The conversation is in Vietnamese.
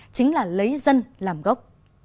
chính là lấy dân làm gốc